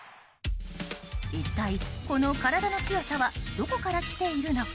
一体この体の強さはどこから来ているのか。